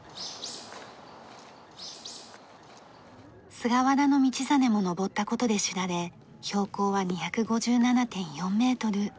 菅原道真も登った事で知られ標高は２５７．４メートル。